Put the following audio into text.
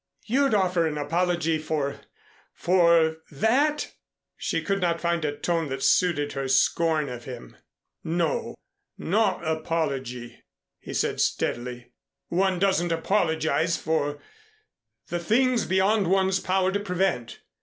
"You'd offer an apology for for that!" She could not find a tone that suited her scorn of him. "No not apology," he said steadily. "One doesn't apologize for the things beyond one's power to prevent.